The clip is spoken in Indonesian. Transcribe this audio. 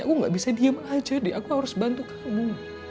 aku gak bisa diem aja deh aku harus bantu kamu